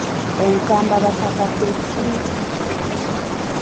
Ensambabataka kye ki?